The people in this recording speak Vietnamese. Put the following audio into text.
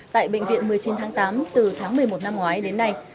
tại bệnh viện một mươi chín tháng tám từ tháng một mươi một năm ngoái đến nay